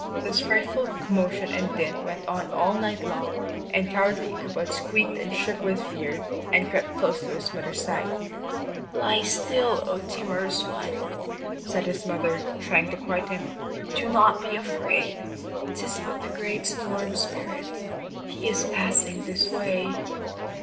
This frightful commotion and din went on all night long, and cowardly Ichabod squeaked and shook with fear, and crept close to his mother's side. "Lie still, O timorous one," said his mother, trying to quiet him. "Do not be afraid; 'tis but the great Storm Spirit. He is passing this way."